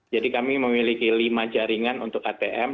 jadi kami memiliki lima jaringan untuk atm